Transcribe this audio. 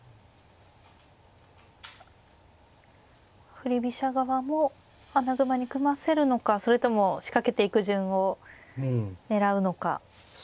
振り飛車側も穴熊に組ませるのかそれとも仕掛けていく順を狙うのか。